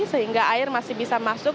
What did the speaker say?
sehingga air masih bisa masuk